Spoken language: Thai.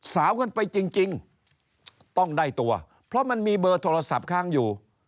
สาวกันไปจริงต้องได้ตัวเพราะมันมีเบอร์โทรศัพท์ค้างอยู่